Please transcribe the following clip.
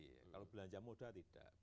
kalau belanja modal tidak